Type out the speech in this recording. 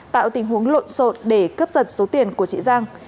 tạo tình huống lộn xộn để cướp giật số tiền của chị giang